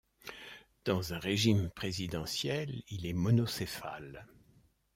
Dans un régime présidentiel, il est monocéphale.